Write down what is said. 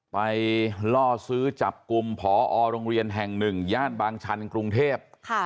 ล่อซื้อจับกลุ่มพอโรงเรียนแห่งหนึ่งย่านบางชันกรุงเทพ